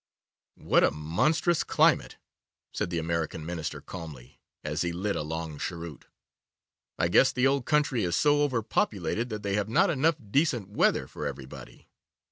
'What a monstrous climate!' said the American Minister calmly, as he lit a long cheroot. 'I guess the old country is so overpopulated that they have not enough decent weather for everybody.